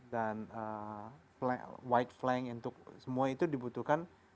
dan white flank untuk semua itu dibutuhkan